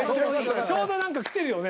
ちょうど何かきてるよね？